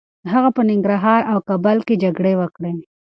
هغه په ننګرهار او کابل کي جګړې وکړې.